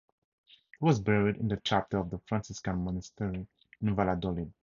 He was buried in the chapter of the Franciscan monastery in Valladolid.